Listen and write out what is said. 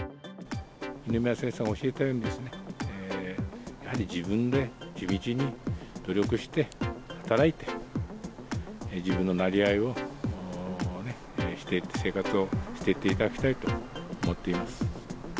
二宮先生が教えたように、やはり自分で地道に努力して、働いて、自分のなりわいをして、生活をしていっていただきたいと思っています。